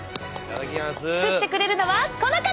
作ってくれるのはこの方！